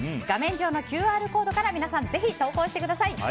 画面上のＱＲコードから皆さん、投稿してください。